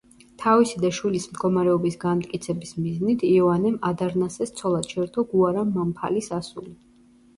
თავისი და შვილის მდგომარეობის განმტკიცების მიზნით იოანემ ადარნასეს ცოლად შერთო გუარამ მამფალის ასული.